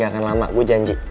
akan lama gue janji